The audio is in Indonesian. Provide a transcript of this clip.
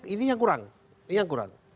ini yang kurang